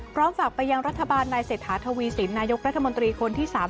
ฝากไปยังรัฐบาลนายเศรษฐาทวีสินนายกรัฐมนตรีคนที่๓๐